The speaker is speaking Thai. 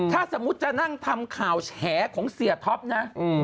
ถ้าสมมุติจะนั่งทำข่าวแฉของเสียท็อปนะ